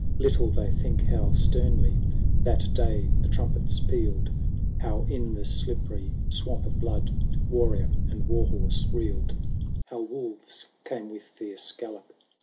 Little they think how sternly That day the trumpets pealed ; How in the slippery swamp of blood Warrior and war horse reeled ; 98 LAYS OF ANCIENT ROME. How wolves came with fierce gallop.